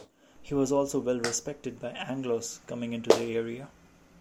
He was also well respected by Anglos coming into the area.